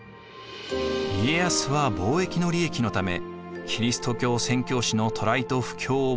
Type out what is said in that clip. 家康は貿易の利益のためキリスト教宣教師の渡来と布教を黙認していました。